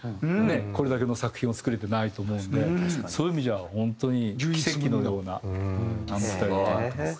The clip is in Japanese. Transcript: これだけの作品を作れてないと思うんでそういう意味じゃ本当に奇跡のようなあの２人だと思ってます。